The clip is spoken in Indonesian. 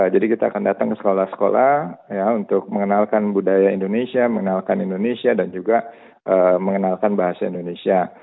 jadi kita akan datang ke sekolah sekolah untuk mengenalkan budaya indonesia mengenalkan indonesia dan juga mengenalkan bahasa indonesia